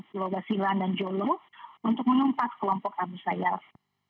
kilo basilan dan jolo untuk menumpas kelompok abu sayyaf